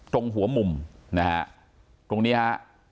ตรงหัวมุมนะฮะ